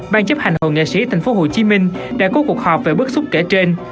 ban chấp hành hội nghệ sĩ thành phố hồ chí minh đã có cuộc họp về bức xúc kể trên